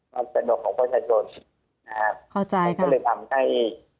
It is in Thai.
มันเป็นบทของประชาชนนะครับเข้าใจค่ะมันก็เลยทำให้